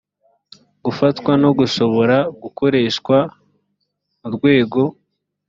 gifatwa ko gishobora gukoreshwa mu rwego